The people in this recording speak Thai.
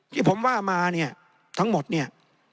ที่ผมว่ามาเนี่ยทั้งหมดเนี่ย